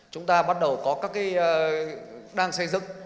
chúng ta bắt đầu có các cái đang xây dựng